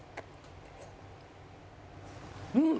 うん！